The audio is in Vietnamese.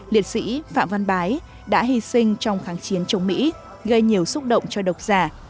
liệt sĩ phạm văn bái đã hy sinh trong kháng chiến chống mỹ gây nhiều xúc động cho độc giả